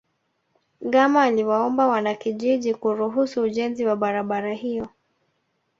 gama aliwaomba wanakijiji kuruhusu ujenzi wa barabara hiyo